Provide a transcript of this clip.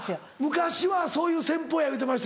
昔はそういう戦法や言うてましたよ。